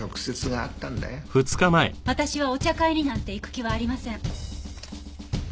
私はお茶会になんて行く気はありません。